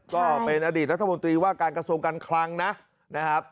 ก็เป็นอดีตรัฐมนตรีว่าการกระทรวงการคลังนะครับ